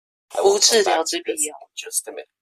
無治療之必要